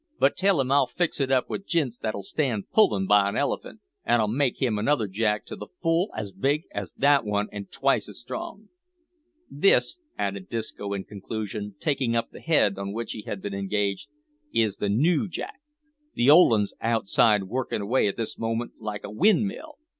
But tell him I'll fix it up with jints that'll stand pullin' by an elephant, and I'll make him another jack to the full as big as that one an' twice as strong.' "This," added Disco in conclusion, taking up the head on which he had been engaged, "is the noo jack. The old un's outside working away at this moment like a win' mill.